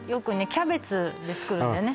キャベツで作るんだよね